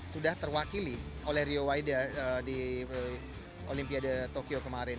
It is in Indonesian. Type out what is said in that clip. sudah terwakili oleh rio waida di olimpiade tokyo kemarin